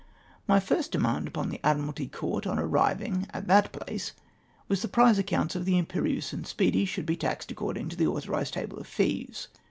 My first demand upon tlie Admiralty Court on ar riving at that place was, that the prize accounts of the Imperieiise and Speedy should be taxed according to the authorised table of fees.